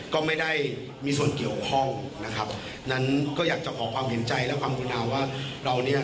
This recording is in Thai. ก็ไม่ได้มีส่วนเกี่ยวข้องนั้นอยากจะขอความเห็นใจและความคุณมาว่า